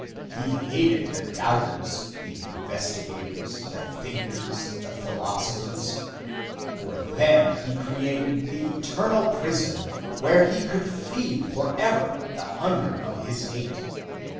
He hated the doubters, the investigators, the thinkers, the philosophers. For them he created the eternal prison where he could feed forever the hunger of his hate.